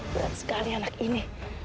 berat sekali anak ini